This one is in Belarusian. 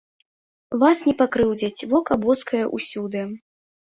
Вас не пакрыўдзяць, вока боскае ўсюды.